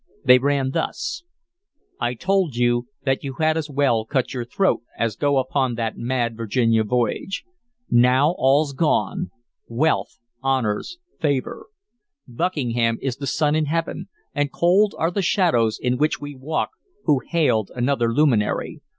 They ran thus: "I told you that you had as well cut your throat as go upon that mad Virginia voyage. Now all's gone, wealth, honors, favor. Buckingham is the sun in heaven, and cold are the shadows in which we walk who hailed another luminary.